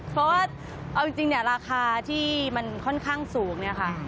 เพราะว่าเอาจริงราคาที่มันค่อนข้างสูง